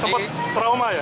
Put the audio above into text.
seperti trauma ya